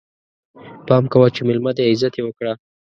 پام کوه چې ميلمه دی، عزت يې وکړه!